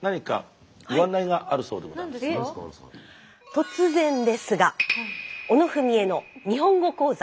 突然ですが「小野文惠の日本語講座」。